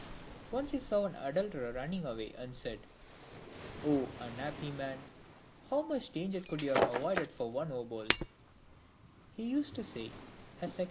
Once he saw an adulterer run ning away, and said, " 0 unhappy man ! how much danger could you have avoided for one obol!"